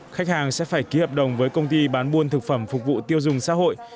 khách hàng sẽ phải ký hợp đồng với công ty bán buôn thực phẩm phục vụ tiêu dùng xã hội